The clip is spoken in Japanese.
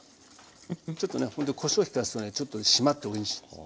ちょっとねこしょう利かすとねちょっと締まっておいしいです。